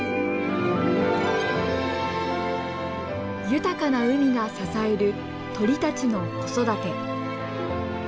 豊かな海が支える鳥たちの子育て。